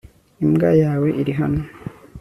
imbwa yawe iri hano